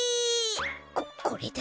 ここれだ。